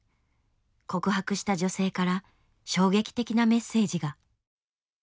告白した女性から衝撃的なメッセージが。